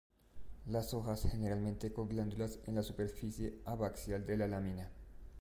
Las hojas generalmente con glándulas en la superficie abaxial de la lámina.